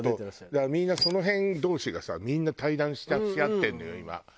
だからみんなその辺同士がさみんな対談し合ってるのよ今。